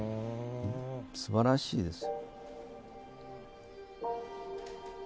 素晴らしいです。